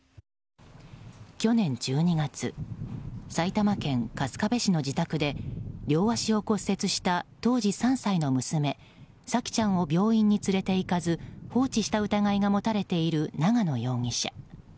去年１２月埼玉県春日部市の自宅で両足を骨折した当時３歳の娘沙季ちゃんを病院に連れていかず放置した疑いが持たれている長野容疑者。